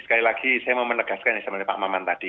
sekali lagi saya mau menegaskan ini sama pak amman tadi